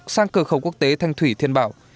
sang cờ khẩu quốc tế thanh thủy thiên bảo